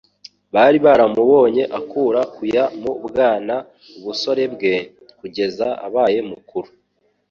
Bari baramubonye akura kuya mu bwana, ubusore bwe, kugeza abaye mukuru.